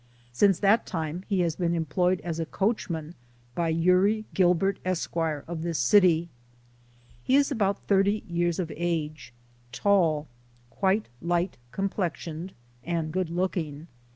Since that time, he has been employed as coachman by Uri Gilbert, Esq., of this city. He is about thirty years of age, tall, quite light complexioned, and good looking.